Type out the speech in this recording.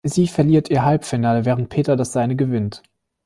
Sie verliert ihr Halbfinale, während Peter das seine gewinnt.